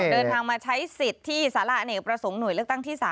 เดินทางมาใช้สิทธิ์ที่สาระอเนกประสงค์หน่วยเลือกตั้งที่๓